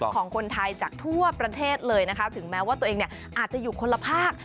ของคนไทยจากทั่วประเทศเลยนะคะถึงแม้ว่าตัวเองอาจจะอยู่คนละภาค